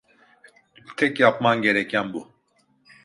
Tek yapman gereken bu.